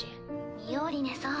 ミオリネさん。